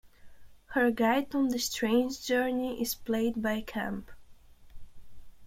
Her guide on this strange journey is played by Kemp.